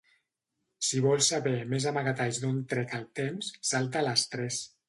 Si vols saber més amagatalls d'on trec el temps, salta a les tres.